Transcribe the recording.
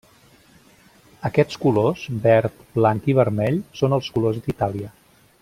Aquests colors, verd, blanc i vermell són els colors d'Itàlia.